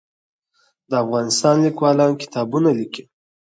د افغانستان لیکوالان کتابونه لیکي